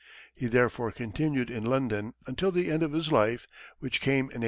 He therefore continued in London until the end of his life, which came in 1815.